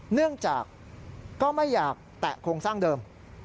เนื่องจากก็ไม่อยากแตะโครงสร้างเดิม